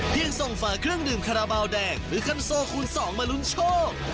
ส่งฝาเครื่องดื่มคาราบาลแดงหรือคันโซคูณ๒มาลุ้นโชค